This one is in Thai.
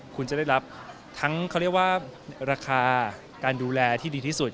คุณจะได้รับทั้งเขาเรียกว่าราคาการดูแลที่ดีที่สุด